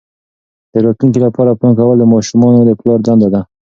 د راتلونکي لپاره پلان کول د ماشومانو د پلار دنده ده.